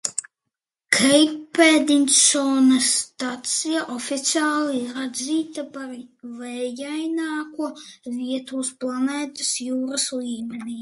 Keipdenisonas stacija oficiāli ir atzīta par vējaināko vietu uz planētas jūras līmenī.